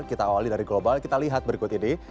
kita awali dari global kita lihat berikut ini